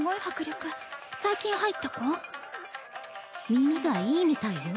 耳がいいみたいよ。